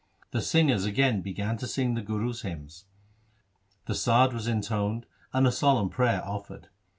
The singers again began to sing the Gurus' hymns. The Sadd was intoned and a solemn prayer offered.